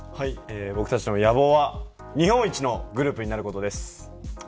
僕たちの野望は日本一のグループになることです。